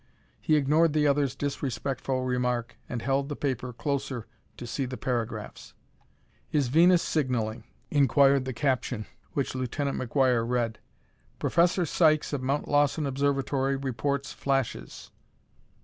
He ignored the other's disrespectful remark and held the paper closer to see the paragraphs. "Is Venus Signalling?" inquired the caption which Lieutenant McGuire read. "Professor Sykes of Mt. Lawson Observatory Reports Flashes.